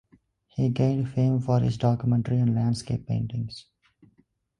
He gained fame for his documentary and landscape paintings.